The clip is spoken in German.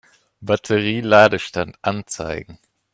Batterie-Ladestand anzeigen.